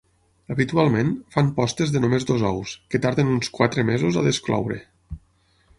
Habitualment, fan postes de només dos ous, que tarden uns quatre mesos a descloure.